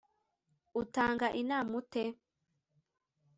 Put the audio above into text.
Utanga inama ute.